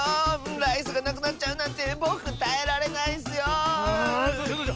ライスがなくなっちゃうなんてぼくたえられないッスよ！